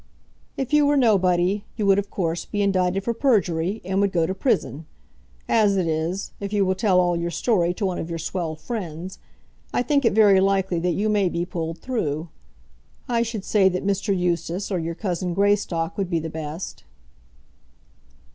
"If you were nobody, you would, of course, be indicted for perjury, and would go to prison. As it is, if you will tell all your story to one of your swell friends, I think it very likely that you may be pulled through. I should say that Mr. Eustace, or your cousin Greystock, would be the best."